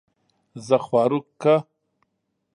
زۀ خواروک کۀ